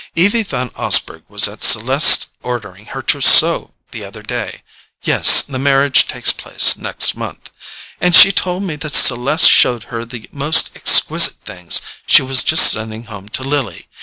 Evie Van Osburgh was at Celeste's ordering her trousseau the other day—yes, the marriage takes place next month—and she told me that Celeste showed her the most exquisite things she was just sending home to Lily.